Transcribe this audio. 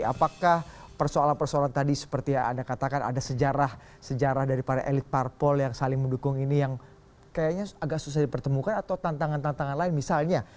apakah persoalan persoalan tadi seperti yang anda katakan ada sejarah sejarah dari para elit parpol yang saling mendukung ini yang kayaknya agak susah dipertemukan atau tantangan tantangan lain misalnya